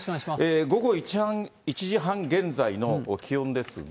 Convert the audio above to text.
午後１時半現在の気温ですが。